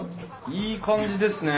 いい感じですね。